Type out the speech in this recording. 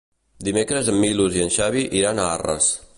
Dimecres en Milos i en Xavi iran a Arres.